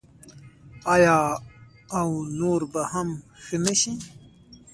آیا او نور به هم ښه نشي؟